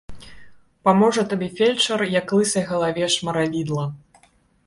Паможа табе фельчар, як лысай галаве шмаравідла.